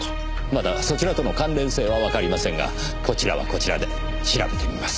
まだそちらとの関連性はわかりませんがこちらはこちらで調べてみます。